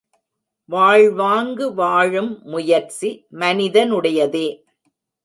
வாழ்வாங்கு வாழும் முயற்சி மனிதனுடையதே.